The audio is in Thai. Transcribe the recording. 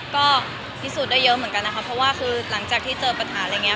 ก็พิสูจน์ได้เยอะเหมือนกันนะคะเพราะว่าคือหลังจากที่เจอปัญหาอะไรอย่างนี้